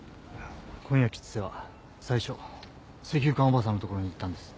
今夜吉瀬は最初石油缶オバさんの所に行ったんです。